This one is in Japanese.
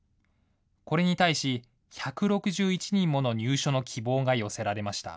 これに対し、１６１人もの入所の希望が寄せられました。